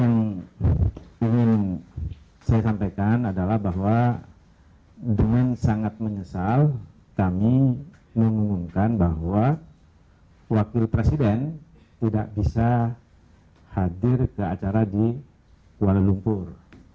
yang ingin saya sampaikan adalah bahwa dengan sangat menyesal kami mengumumkan bahwa wakil presiden tidak bisa hadir ke acara di kuala lumpur